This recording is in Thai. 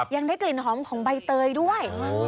ยังได้กลิ่นหอมของใบเตยด้วย